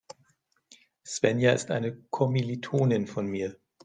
Svenja ist eine Kommilitonin von mir.